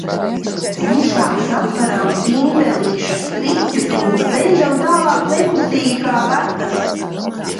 Ciešāk satveram pindelīšu striķus un sēžam tālāk nekustīgi kā bekas.